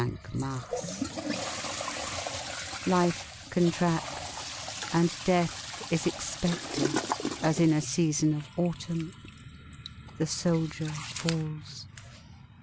(5 mars) 38 Life contracts and death is expected. As in a season of autumn. The soldier falls.